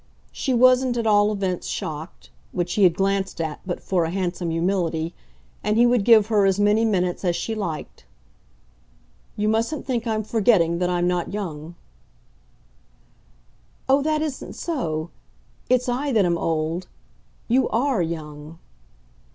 She wasn't at all events shocked which he had glanced at but for a handsome humility and he would give her as many minutes as she liked. "You mustn't think I'm forgetting that I'm not young." "Oh, that isn't so. It's I that am old. You ARE young."